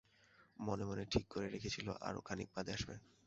মনে ঠিক করে রেখেছিল আরো খানিক বাদে আসবে।